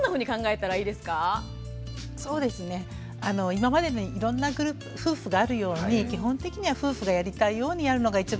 今までにいろんな夫婦があるように基本的には夫婦がやりたいようにやるのが一番いいのかなと思います。